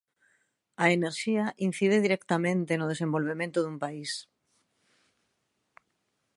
A enerxía incide directamente no desenvolvemento dun país.